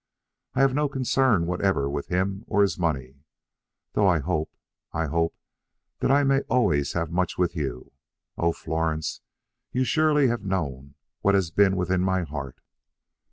I have no concern whatever with him or his money, though I hope I hope that I may always have much with you. Oh, Florence, you surely have known what has been within my heart."